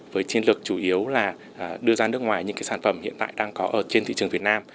với chiến lược chủ yếu là đưa ra nước ngoài những sản phẩm hiện tại đang có ở trên thị trường việt nam